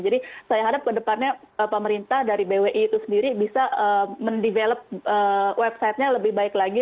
jadi saya harap ke depannya pemerintah dari bwi itu sendiri bisa mendevelop websitenya lebih baik lagi